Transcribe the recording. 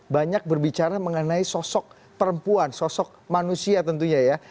banyak berbicara mengenai sosok perempuan sosok manusia tentunya ya